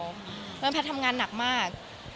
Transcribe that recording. เพราะฉะนั้นแพทย์ทำงานหนักมาก